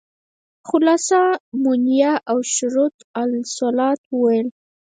خلاصه مونيه او شروط الصلاة وويل.